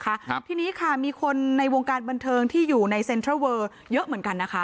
ครับทีนี้ค่ะมีคนในวงการบันเทิงที่อยู่ในเซ็นทรัลเวอร์เยอะเหมือนกันนะคะ